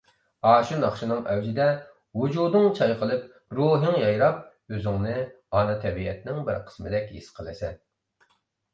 ئاشۇ ناخشىنىڭ ئەۋجىدە ۋۇجۇدۇڭ چايقىلىپ، روھىڭ يايراپ ئۆزۈڭنى ئانا تەبىئەتنىڭ بىر قىسمىدەك ھېس قىلىسەن.